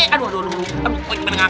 aduh aduh aduh aduh